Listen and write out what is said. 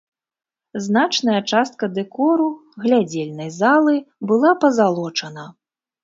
Значная частка дэкору глядзельнай залы была пазалочана.